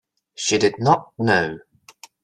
She did not know.